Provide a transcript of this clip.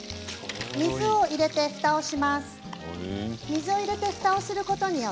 水を入れてふたをします。